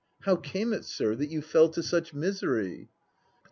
How came it, sir, that you fell to such misery?